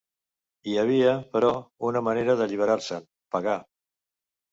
Hi havia, però, una manera d'alliberar-se'n: pagar.